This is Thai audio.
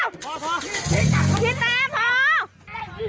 พอพี่อืนยุด